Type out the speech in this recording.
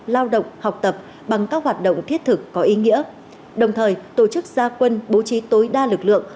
lao động học tập bằng các hoạt động thiết thực có ý nghĩa đồng thời tổ chức gia quân bố trí tối đa lực lượng